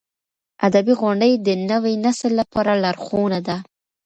ادبي غونډې د نوي نسل لپاره لارښوونه ده.